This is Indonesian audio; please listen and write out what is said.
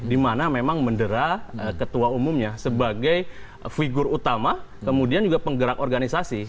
dimana memang mendera ketua umumnya sebagai figur utama kemudian juga penggerak organisasi